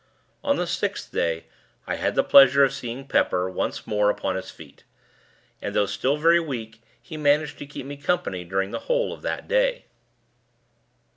On the sixth day, I had the pleasure of seeing Pepper, once more, upon his feet; and, though still very weak, he managed to keep me company during the whole of that day.